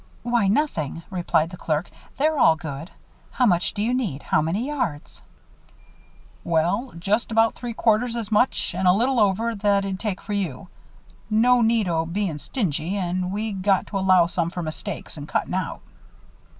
"Why, nothing," replied the clerk. "They're all good. How much do you need? How many yards?" "Well, just about three quarters as much and a little over what it'd take for you. No need o' bein' stingy, an' we got to allow some for mistakes in cuttin' out."